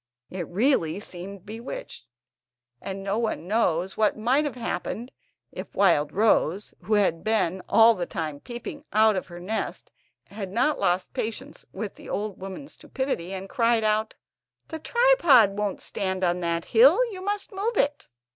It really seemed bewitched, and no one knows what might have happened if Wildrose, who had been all the time peeping out of her nest, had not lost patience at the old woman's stupidity, and cried out: "The tripod won't stand on that hill, you must move it!"